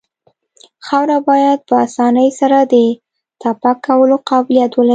خاوره باید په اسانۍ سره د تپک کولو قابلیت ولري